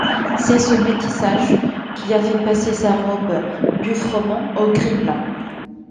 C'est ce métissage qui a fait passer sa robe du froment au gris-blanc.